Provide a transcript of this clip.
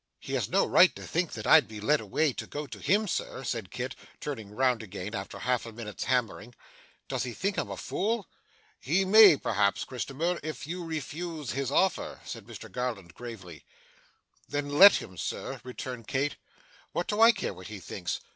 'He has no right to think that I'd be led away to go to him, sir,' said Kit, turning round again after half a minute's hammering. 'Does he think I'm a fool?' 'He may, perhaps, Christopher, if you refuse his offer,' said Mr Garland gravely. 'Then let him, sir,' retorted Kit; 'what do I care, sir, what he thinks?